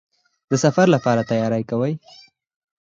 د سفر لپاره تیاری کوئ؟